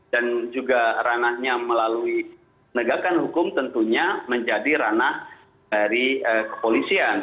dan juga ranahnya melalui penegakan hukum tentunya menjadi ranah dari kepolisian